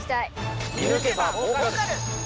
『見抜けば儲かる！』